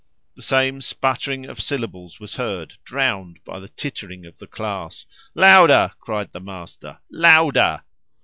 The same sputtering of syllables was heard, drowned by the tittering of the class. "Louder!" cried the master; "louder!"